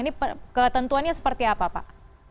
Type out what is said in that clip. ini ketentuannya seperti apa pak